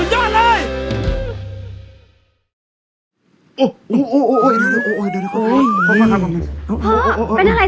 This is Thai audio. โหหัวหน้าสุดยอดเลย